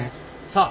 さあ。